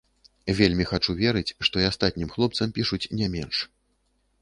Вельмі хачу верыць, што і астатнім хлопцам пішуць не менш.